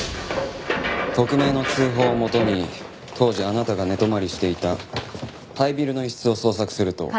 匿名の通報をもとに当時あなたが寝泊まりしていた廃ビルの一室を捜索すると。